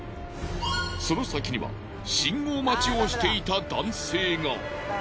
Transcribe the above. その先には信号待ちをしていた男性が。